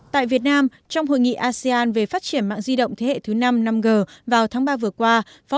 tại việt nam trong hội nghị asean về phát triển mạng di động thế hệ thứ năm năm g vào tháng ba vừa qua